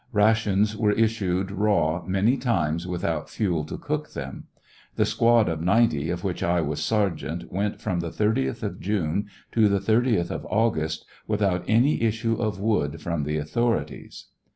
»»• Rations were issued raw many times without fuel to cook them. The squad of 90 of which I was sergeant went from the 30th of June to the 30th of August without any issueof wood from the authorities.